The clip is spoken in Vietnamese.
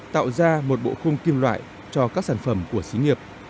tạo ra một bộ khung kim loại cho các sản phẩm của xí nghiệp